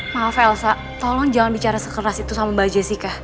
maaf elsa tolong jangan bicara sekeras itu sama mbak jessica